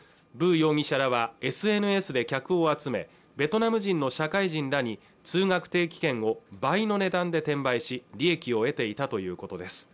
容疑者らはＳＮＳで客を集めベトナム人の社会人らに通学定期券を倍の値段で転売し利益を得ていたということです